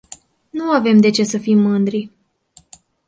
Nu avem de ce să fim mândri.